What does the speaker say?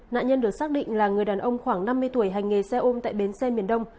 nạn nhân được xác định là người đàn ông khoảng năm mươi tuổi hành nghề xe ôm tại bến xe miền đông